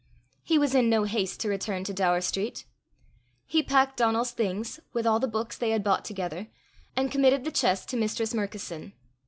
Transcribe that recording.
He was in no haste to return to Daur street. He packed Donal's things, with all the books they had bought together, and committed the chest to Mistress Murkison.